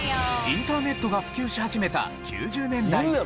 インターネットが普及し始めた９０年代後半。